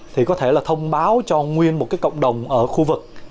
thì có thể là thông báo cho nguyên một cái cộng đồng ở khu vực